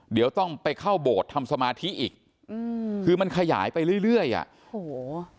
เดี๋ยวต้องไปเข้าโบสถ์ทำสมาธิอีกอืมคือมันขยายไปเรื่อยเรื่อยอ่ะโอ้โห